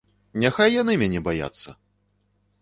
Няхай яны мяне баяцца!